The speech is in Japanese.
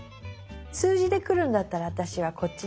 数字でくるんだったら私はこっちにしよう。